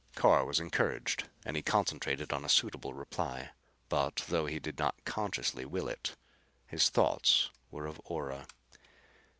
Carr was encouraged and he concentrated on a suitable reply. But, though he did not consciously will it, his thoughts were of Ora.